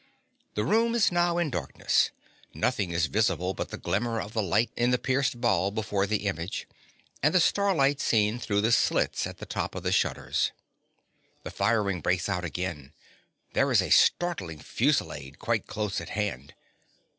The room is now in darkness: nothing is visible but the glimmer of the light in the pierced ball before the image, and the starlight seen through the slits at the top of the shutters. The firing breaks out again: there is a startling fusillade quite close at hand.